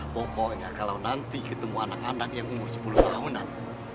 pokoknya kalau nanti ketemu anak anak yang umur sepuluh tahunan